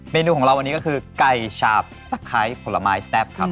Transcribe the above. นูของเราวันนี้ก็คือไก่ชาบตะไคร้ผลไม้แซ่บครับ